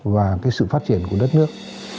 và sự phát triển của đất nước